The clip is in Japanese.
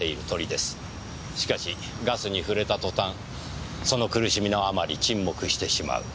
しかしガスに触れた途端その苦しみのあまり沈黙してしまう。